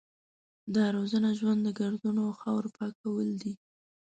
د روزانه ژوند د ګردونو او خاورو پاکول دي.